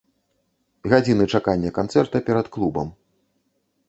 Гадзіны чакання канцэрта перад клубам.